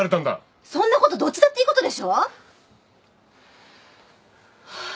そんなことどっちだっていいことでしょ。